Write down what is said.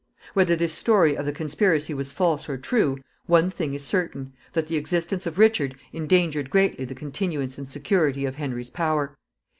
Whether this story of the conspiracy was false or true, one thing is certain, that the existence of Richard endangered greatly the continuance and security of Henry's power.